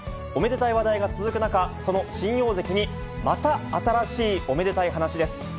おめでたい話題が続く中、その新大関にまた新しいおめでたい話です。